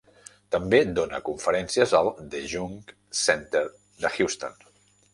També dóna conferències al The Jung Center de Houston.